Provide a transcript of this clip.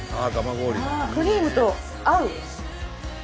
クリームと合う。